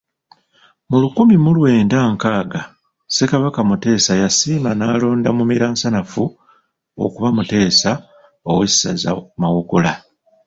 Mu lukumi mu lwenda nkaaga, Ssekabaka Muteesa yasiima n’alonda Mumiransanafu okuba Muteesa, ow’essaza Mawogola.